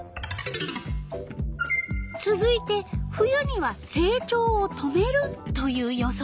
つづいて「冬には成長を止める」という予想。